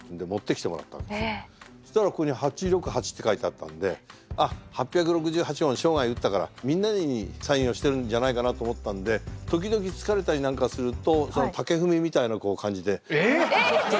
そうしたらここに「８６８」って書いてあったんでああ８６８本生涯打ったからみんなにサインをしてるんじゃないかなと思ったんで時々疲れたりなんかするとえっ！？